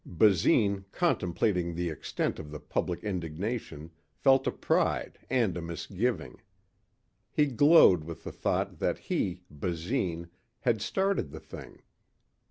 Basine contemplating the extent of the public indignation felt a pride and a misgiving. He glowed with the thought that he, Basine, had started the thing.